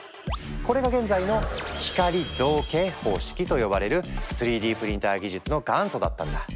これが現在の「光造形方式」と呼ばれる３Ｄプリンター技術の元祖だったんだ。